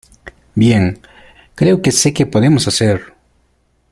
Bien, creo que sé qué podemos hacer.